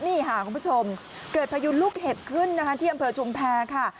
นี่ค่ะคุณผู้ชมเกิดพายุลูกเห็บขึ้นนะคะที่อำเภอชุมแพรค่ะ